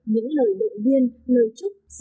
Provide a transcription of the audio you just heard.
những lời động viên lời chúc